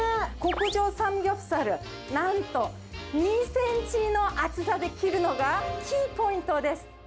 極上サムギョプサル、なんと、２センチの厚さで切るのがキーポイントです。